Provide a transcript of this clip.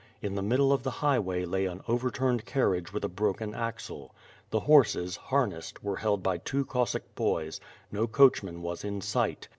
In the middle of the highway lay an overturned carriage with a broken axle. The horses, harnessed, were held by iwo Cossack })oys: no coach man was in sight.